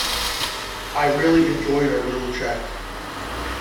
I really enjoyed our little chat.